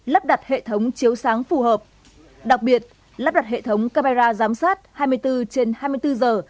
lắp đặt hệ thống chiếu sáng phù hợp đặc biệt lắp đặt hệ thống camera giám sát hai mươi bốn trên hai mươi bốn giờ